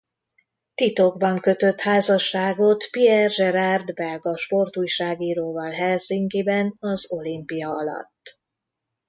Titokban kötött házasságot Pierre Gerard belga sportújságíróval Helsinkiben az olimpia alatt.